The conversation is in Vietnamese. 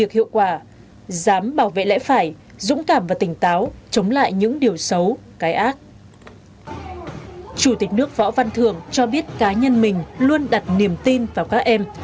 chủ tịch nước võ văn thường cho biết cá nhân mình luôn đặt niềm tin vào các em